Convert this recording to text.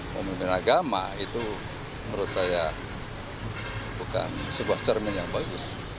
pemimpin agama itu menurut saya bukan sebuah cermin yang bagus